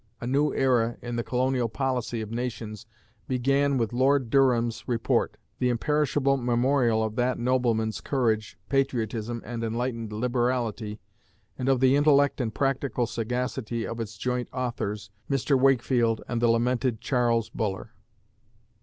A new era in the colonial policy of nations began with Lord Durham's Report; the imperishable memorial of that nobleman's courage, patriotism, and enlightened liberality, and of the intellect and practical sagacity of its joint authors, Mr. Wakefield and the lamented Charles Buller.